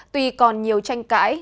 tuy còn nhiều tranh cãi